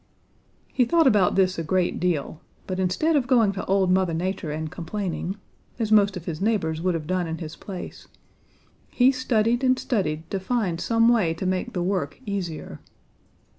"He thought about this a great deal, but instead of going to Old Mother Nature and complaining, as most of his neighbors would have done in his place, he studied and studied to find some way to make the work easier.